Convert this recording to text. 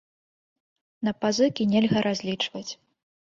На пазыкі нельга разлічваць.